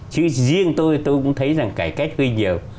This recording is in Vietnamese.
chứ riêng tôi tôi cũng thấy rằng cải cách gây nhiều